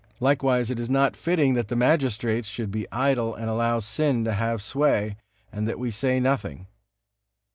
Likewise it is not fitting that the magistrates should be idle and allow sin to have sway, and that we say nothing.